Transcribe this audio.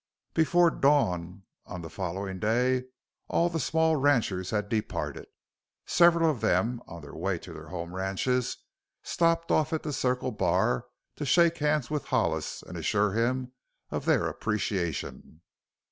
Before dawn on the following day all the small ranchers had departed. Several of them, on their way to their home ranches, stopped off at the Circle Bar to shake hands with Hollis and assure him of their appreciation.